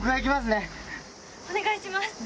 お願いします。